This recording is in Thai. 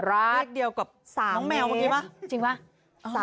เรียกเดียวกับน้องแมวค่ะจริงป่ะ๓เมตร